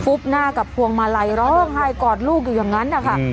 บหน้ากับพวงมาลัยร้องไห้กอดลูกอยู่อย่างนั้นนะคะ